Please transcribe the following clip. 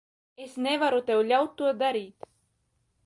Es nevaru tev ļaut to darīt.